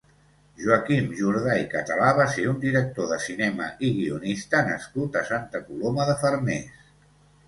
Joaquim Jordà i Català va ser un director de cinema i guionista nascut a Santa Coloma de Farners.